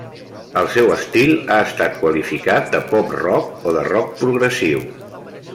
El seu estil ha estat qualificat de pop-rock o de rock progressiu.